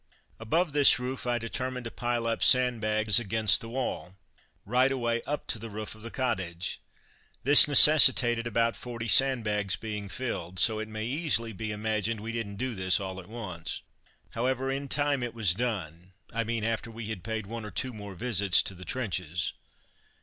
Above this roof I determined to pile up sandbags against the wall, right away up to the roof of the cottage. This necessitated about forty sandbags being filled, so it may easily be imagined we didn't do this all at once. However, in time, it was done I mean after we had paid one or two more visits to the trenches.